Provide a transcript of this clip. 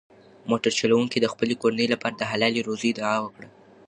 موټر چلونکي د خپلې کورنۍ لپاره د حلالې روزۍ دعا وکړه.